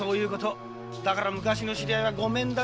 だから昔の知り合いはごめんだとさ。